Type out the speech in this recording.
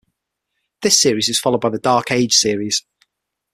This series is followed by "The Dark Age" series.